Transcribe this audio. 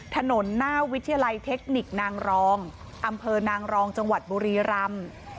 ถนนหน้าวิทยาลัยเทคนิคนางรองอำเภอนางรองจังหวัดบุรีรำ